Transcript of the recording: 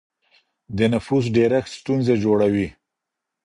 د نفوس ډېرښت ستونزې جوړوي.